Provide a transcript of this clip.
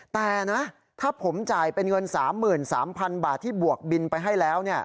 แต่นะถ้าผมจ่ายเป็นเงิน๓๓๐๐๐บาทที่บวกบินไปให้แล้ว